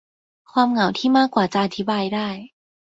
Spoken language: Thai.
ความเหงาที่มากกว่าจะอธิบายได้